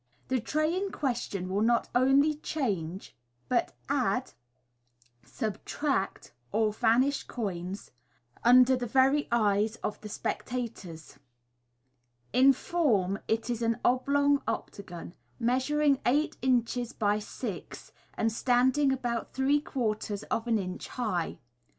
The tray in question will not only change, but add, sub tract, or vanish coins, under the very eyes of the spectators. In form it is an oblong octagon, measuring eight inches by six, and standing about three quarters of an inch high.